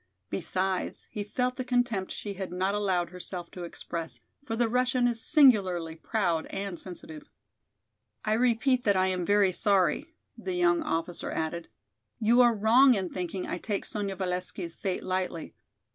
Besides, he felt the contempt she had not allowed herself to express, for the Russian is singularly proud and sensitive. "I repeat that I am very sorry," the young officer added. "You are wrong in thinking I take Sonya Valesky's fate lightly.